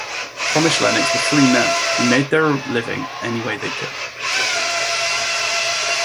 "Promyshlenik"s were free men who made their living any way they could.